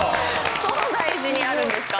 東大寺にあるんですか？